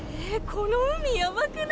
この海やばくない？